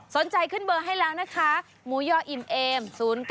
สนใจขึ้นเบอร์ให้แล้วนะคะหมูย่ออิ่มเอม๐๙